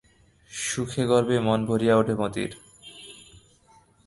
সুখে গর্বে মন ভরিয়া ওঠে মতির।